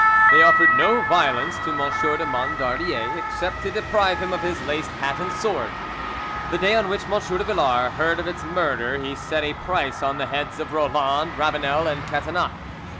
They offered no violence to M. de Mondardier except to deprive him of his laced hat and sword. The day on which M. de Villars heard of its murder he set a price on the heads of Roland, Ravanel, and Catinat.